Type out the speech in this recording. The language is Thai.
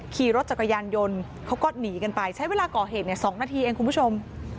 ขี่รถจักรยานยนต์เขาก็หนีกันไปใช้เวลาก่อเหตุ๒นาทีเองคุณผู้ชม